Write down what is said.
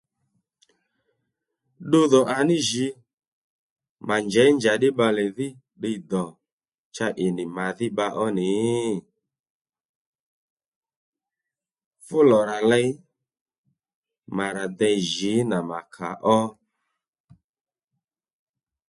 Ddudhò à ní jǐ mà njèy njaddí bbalè dhí ddiy dò cha ì nì màdhí bba ó nǐ fú lò rà ley mà rà dey jǐ nà mà kà ó